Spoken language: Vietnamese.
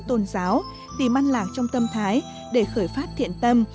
tôn giáo tìm ăn lạc trong tâm thái để khởi phát thiện tâm